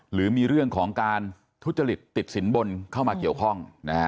หรือมีเรื่องของการทุจริตติดสินบนเข้ามาเกี่ยวข้อง